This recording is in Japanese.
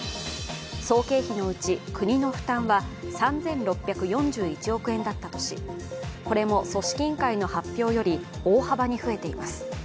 総経費のうち国の負担は３６４１億円だったとし、これも組織委員会の発表より大幅に増えています。